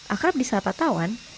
akrab di satatawan